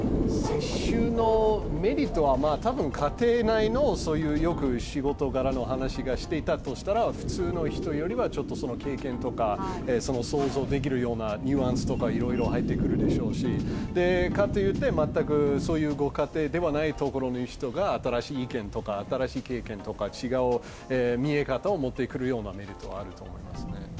世襲のメリットはたぶん家庭内の仕事柄の話をしていたとしたら普通の人よりはちょっと経験とか、想像できるようなニュアンスとかいろいろ入ってくるでしょうし、かといって全くそういうご家庭でないところの人が新しい意見とか、新しい経験とか、違う見え方を持ってくるような面もあると思いますね。